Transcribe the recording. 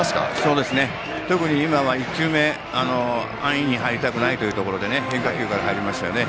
特に今は１球目安易に入りたくないところで変化球から入りましたね。